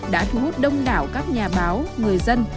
đã thu hút đông đảo các nhà báo người dân